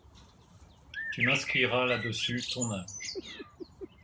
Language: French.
Tu m’inscriras là-dessus ton âge.